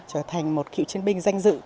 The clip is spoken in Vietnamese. trở thành một cựu chiến binh danh dự